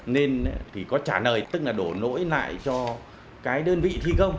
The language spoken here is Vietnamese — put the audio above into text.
nên thì có trả lời tức là đổ lỗi lại cho cái đơn vị thi công